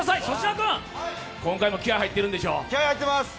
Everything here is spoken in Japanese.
粗品君、今回も気合い入ってるんでしょ？